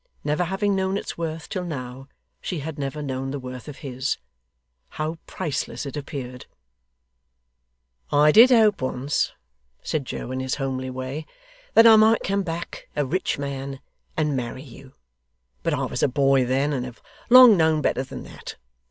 Never having known its worth till now, she had never known the worth of his. How priceless it appeared! 'I did hope once,' said Joe, in his homely way, 'that I might come back a rich man, and marry you. But I was a boy then, and have long known better than that.